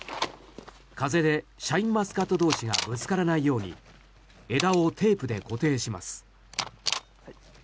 風でシャインマスカット同士がぶつからないように枝をテープで固定します。